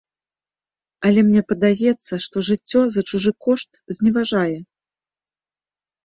Але мне падаецца, што жыццё за чужы кошт зневажае.